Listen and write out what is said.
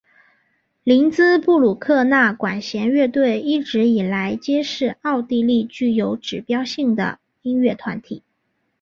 林兹布鲁克纳管弦乐团一直以来皆是奥地利具有指标性的音乐团体。